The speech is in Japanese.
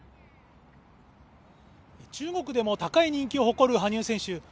中国でも高い人気を誇る羽生選手。